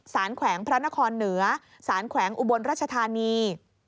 แขวงพระนครเหนือสารแขวงอุบลรัชธานี